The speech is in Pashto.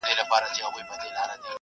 روښانه فکر خپګان نه راوړي.